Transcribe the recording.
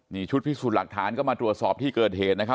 นี่ชุดพิสูจน์หลักฐานก็มาตรวจสอบที่เกิดเหตุนะครับ